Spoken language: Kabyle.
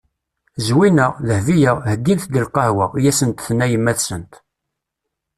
Zwina! Dehbiya! Heyyimt-d lqahwa. I asent-tenna yemma-tsent.